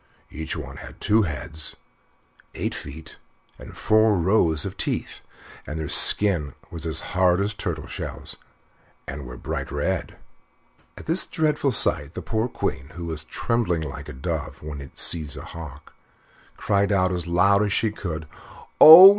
Each one had two heads, eight feet, and four rows of teeth, and their skins were as hard as turtle shells, and were bright red. At this dreadful sight, the poor Queen, who was trembling like a dove when it sees a hawk, cried out as loud as she could, "Oh!